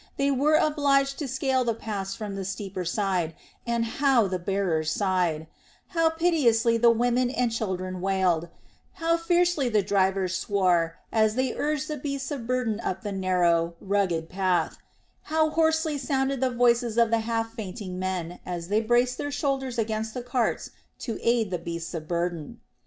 They were obliged to scale the pass from the steeper side, and how the bearers sighed; how piteously the women and children wailed, how fiercely the drivers swore as they urged the beasts of burden up the narrow, rugged path; how hoarsely sounded the voices of the half fainting men as they braced their shoulders against the carts to aid the beasts of burden.